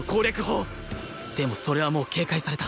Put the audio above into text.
でもそれはもう警戒された